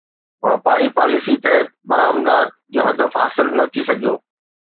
واپاري پاليسي تحت برآمدات جو هدف حاصل نه ٿي سگهيو